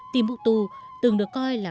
timbuktu từng được coi là